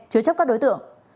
chứa chấp các đối tượng